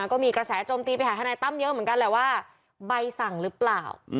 ก็มีกระแสโจมตีไปหาทนายตั้มเยอะเหมือนกันแหละว่าใบสั่งหรือเปล่า